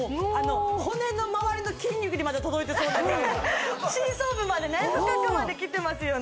骨の周りの筋肉にまで届いてそうなぐらいの深層部までね深くまできてますよね